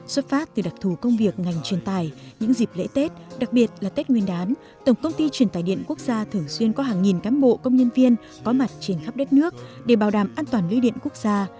xuất phát từ đặc thù công việc ngành truyền tài những dịp lễ tết đặc biệt là tết nguyên đán tổng công ty truyền tài điện quốc gia thường xuyên có hàng nghìn cán bộ công nhân viên có mặt trên khắp đất nước để bảo đảm an toàn lưới điện quốc gia